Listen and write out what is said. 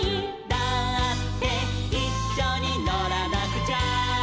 「だっていっしょにのらなくちゃ」